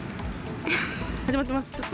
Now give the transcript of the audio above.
始まってます。